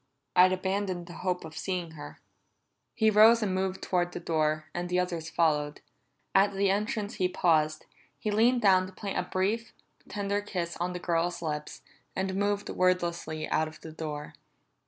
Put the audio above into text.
"I'd abandoned the hope of seeing her." He rose and moved toward the door, and the others followed. At the entrance he paused; he leaned down to plant a brief, tender kiss on the girl's lips, and moved wordlessly out of the door.